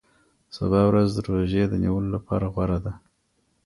سبا ورځ د روژې نیولو لپاره غوره ده.